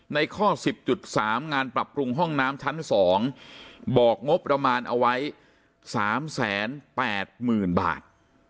ในข้อ๑๐๓งานปรับปรุงห้องน้ำชั้น๒บอกงบประมาณเอาไว้๓๘๐๐๐บาท